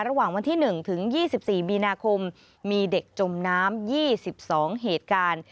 ระหว่างวันที่๑ถึง๒๔มีนาคมมีเด็กจมน้ำ๒๒เหตุการณ์